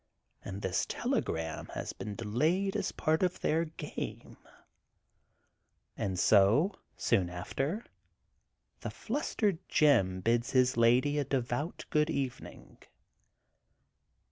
And this telegram has been delayed as part of their game. '* And so, soon after, the flustered Jim bids his lady a devout good evening.